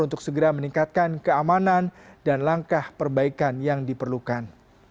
untuk segera meningkatkan keamanan dan langkah perbaikan yang diperlukan